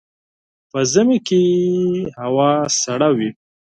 په ژمي کي هوا سړه وي.